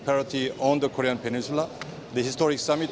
pertemuan sejarah yang terjadi pada hari kemarin